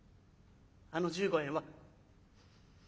あの１５円は。